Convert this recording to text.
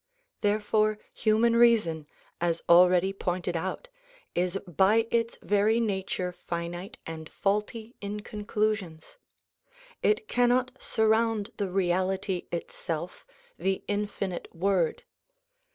Therefore human reason, as al ready pointed out, is by its very nature finite and faulty in con clusions. It cannot surround the Reality Itself, the Infinite Word.